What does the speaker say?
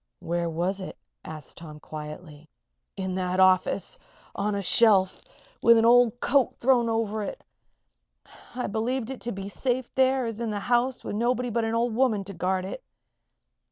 "Where was it?" asked Tom, quietly. "In that office on a shelf, with an old coat thrown over it. I believed it to be as safe there as in the house with nobody but an old woman to guard it."